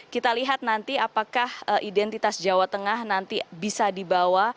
kita lihat nanti apakah identitas jawa tengah nanti bisa dibawa